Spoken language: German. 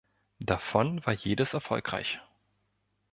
Davon war jedes erfolgreich.